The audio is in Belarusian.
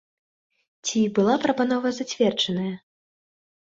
Ці была прапанова зацверджаная?